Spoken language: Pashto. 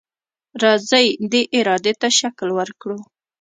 راځئ دې ارادې ته شکل ورکړو.